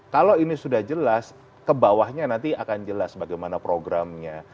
kalau ini sudah jelas kebawahnya nanti akan jelas bagaimana programnya